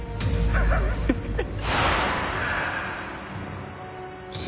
フフフッ。